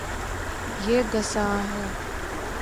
یے گصاہ ہے